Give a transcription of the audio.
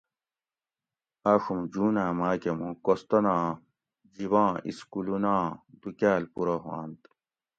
آڛُوم جوناۤں ماۤ کہ مُوں کوستانا جِباں اِسکولوناں دو کاۤل پورہ ہُوانت